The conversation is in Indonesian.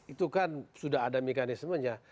itu kan sudah ada mekanismenya